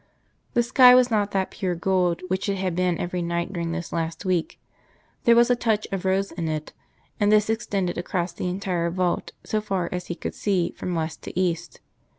The sky was not that pure gold which it had been every night during this last week; there was a touch of rose in it, and this extended across the entire vault so far as he could see from west to east.